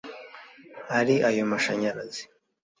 Ari ayo mashanyarazi